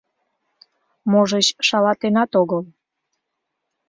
Можыч, шалатенат огыл.